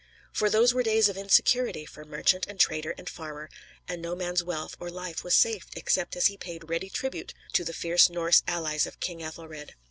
For those were days of insecurity for merchant and trader and farmer, and no man's wealth or life was safe except as he paid ready tribute to the fierce Norse allies of King Ethelred.